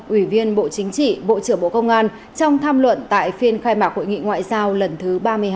ủy viên bộ chính trị bộ trưởng bộ công an trong tham luận tại phiên khai mạc hội nghị ngoại giao lần thứ ba mươi hai